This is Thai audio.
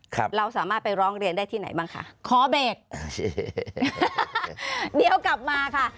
ครับเราสามารถไปร้องเรียนได้ที่ไหนบ้างคะขอเบรกโอเคเดี๋ยวกลับมาค่ะ